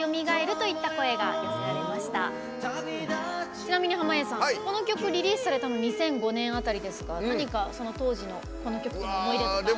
ちなみに濱家さんこの曲リリースされたの２００５年辺りですが何か、その辺りでこの曲の思い出とかありますか？